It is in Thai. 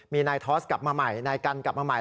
มีนายทอสกลับมาใหม่นายกันกลับมาใหม่